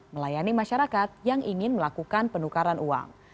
melayani masyarakat yang ingin melakukan penukaran uang